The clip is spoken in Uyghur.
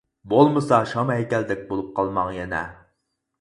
بولمىسا شام ھەيكەلدەك بولۇپ قالماڭ يەنە.